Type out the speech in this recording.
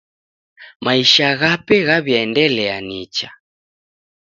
Maisha ghape ghaw'iaendelia nicha.